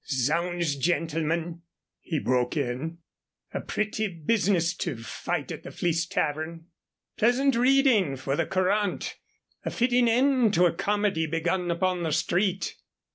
"Zounds, gentlemen!" he broke in. "A pretty business to fight at the Fleece Tavern. Pleasant reading for the Courant a fitting end to a comedy begun upon the street."